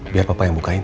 biar papa yang bukain